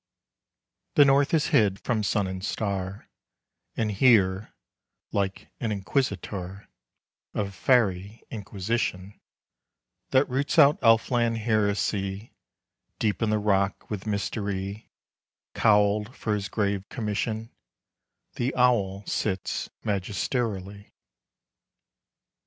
The north is hid from sun and star, And here, like an Inquisitor Of Faëry Inquisition, That roots out Elf land heresy, Deep in the rock, with mystery Cowled for his grave commission, The Owl sits magisterially.